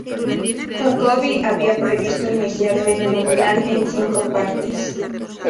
Jacoby había previsto inicialmente un plan en cinco partes.